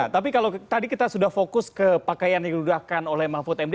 tapi kalau tadi kita sudah fokus ke pakaian yang diludahkan oleh mahfud md